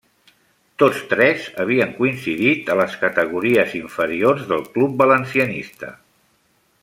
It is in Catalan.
Tots tres havien coincidit a les categories inferiors del club valencianista.